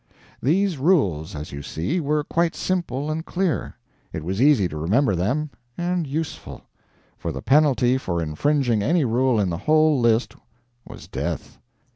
These rules, as you see, were quite simple and clear. It was easy to remember them; and useful. For the penalty for infringing any rule in the whole list was death.